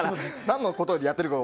何のことをやってるか。